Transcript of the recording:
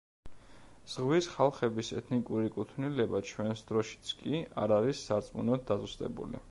ზღვის ხალხების ეთნიკური კუთვნილება ჩვენს დროშიც კი არ არის სარწმუნოდ დაზუსტებული.